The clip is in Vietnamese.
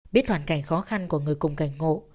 biết hoàn cảnh khó khăn của người cùng cảnh ngộ